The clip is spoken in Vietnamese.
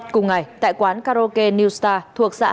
cùng ngày tại quán karaoke newstar thuộc xã